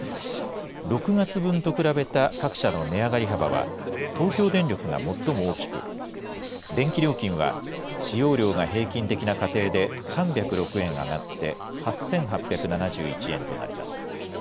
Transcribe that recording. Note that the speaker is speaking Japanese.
６月分と比べた各社の値上がり幅は、東京電力が最も大きく、電気料金は使用量が平均的な家庭で３０６円上がって８８７１円となります。